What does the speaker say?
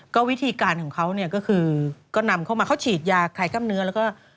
ก็วิธีการของเขาเนี่ยก็คือก็นำเข้ามาเขาฉีดยาคลายกล้ามเนื้อแล้วก็